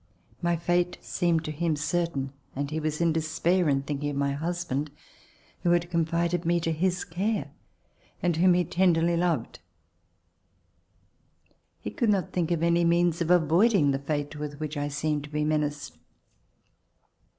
My fate seemed to him certain, and he was in despair in thinking of my hus RECOLLECTIONS OF THE REVOLUTION band who had confided me to his care and whom he tenderly loved. He could not think of any means of avoiding the fate with which I seemed to be menaced.